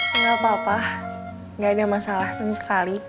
gak apa apa gak ada masalah sama sekali